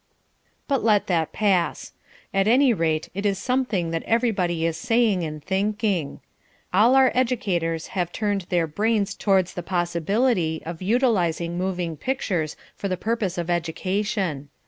But let that pass. At any rate it is something that everybody is saying and thinking. All our educators have turned their brains towards the possibility of utilising moving pictures for the purpose of education.